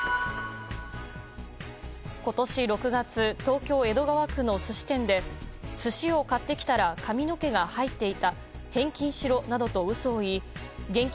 今年６月東京・江戸川区の寿司店で寿司を買ってきたら髪の毛が入っていた返金しろなどと嘘を言い現金